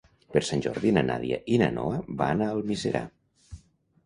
Per Sant Jordi na Nàdia i na Noa van a Almiserà.